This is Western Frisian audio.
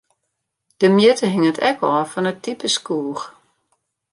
De mjitte hinget ek ôf fan it type skoech.